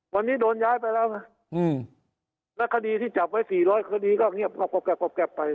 วันนี้โดนย้ายไปแล้วนะแล้วคดีที่จับไว้๔๐๐คดีก็เงียบกรอบไป